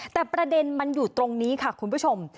แต่ประเด็นมันอยู่ตรงนี้ค่ะคุณผู้ชม